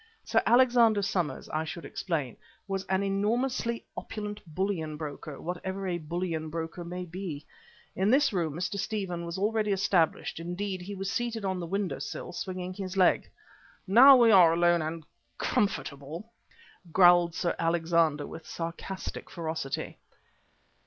Sir Alexander Somers, I should explain, was an enormously opulent bullion broker, whatever a bullion broker may be. In this room Mr. Stephen was already established; indeed, he was seated on the window sill swinging his leg. "Now we are alone and comfortable," growled Sir Alexander with sarcastic ferocity.